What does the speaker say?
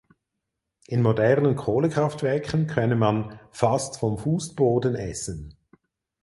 In modernen Kohlekraftwerken könne man „fast vom Fußboden essen“.